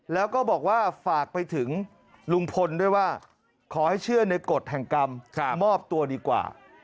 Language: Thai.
แล้วก็บอกว่าฝากไปถึงลุงพลด้วยว่าขอให้เชื่อในกฎแห่งกรรมมอบตัวดีกว่า